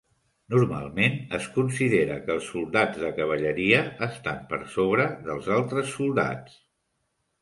Normalment es considera que els soldats de cavalleria estan per sobre dels altres soldats.